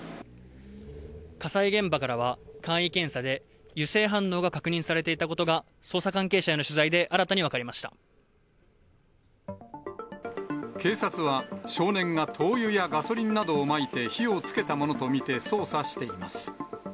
火災現場からは、簡易検査で油性反応が確認されていたことが、捜査関係者への取材警察は、少年が灯油やガソリンなどをまいて火をつけたものと見て、捜査しています。